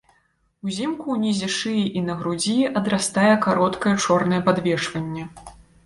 Узімку ўнізе шыі і на грудзі адрастае кароткае чорнае падвешванне.